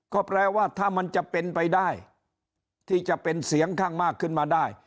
ก็แปลว่าถ้ามันจะเป็นไปได้ที่จะเป็นเสียงข้างมากขึ้นมาได้